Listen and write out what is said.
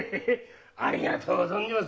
ありがとう存じます。